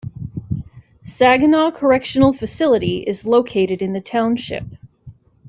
Saginaw Correctional Facility is located in the township.